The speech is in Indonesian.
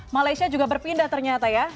malaysia juga berpindah ternyata ya